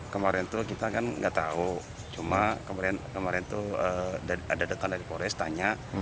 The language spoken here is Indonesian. kemarin itu kita kan nggak tahu cuma kemarin itu ada datang dari polrestanya